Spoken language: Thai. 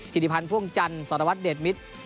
จิติพันธ์ภ่วงจันทร์สรวรรค์เดชมิตร